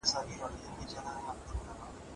زه هره ورځ ښوونځی ځم.